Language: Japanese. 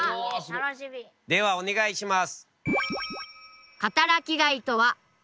ではお願いします。